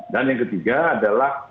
dan yang ketiga adalah